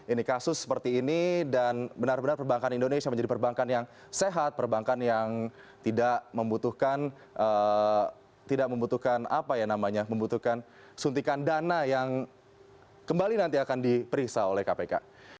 ini kasus seperti ini dan benar benar perbankan indonesia menjadi perbankan yang sehat perbankan yang tidak membutuhkan suntikan dana yang kembali nanti akan diperiksa oleh kpk